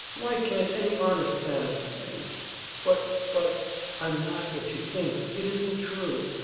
Why can't any honest man explain?" "But but I'm not what you think it isn't true!